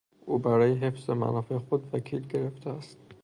او برای حفظ منافع خود وکیل گرفته است.